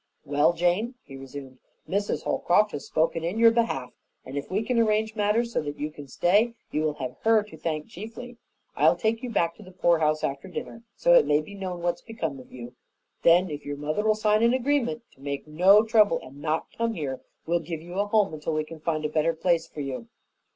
"Well, Jane," he resumed, "Mrs. Holcroft has spoken in your behalf, and if we can arrange matters so that you can stay, you will have her to thank chiefly. I'll take you back to the poorhouse after dinner, so it may be known what's become of you. Then, if your mother'll sign an agreement to make no trouble and not come here, we'll give you a home until we can find a better place for you."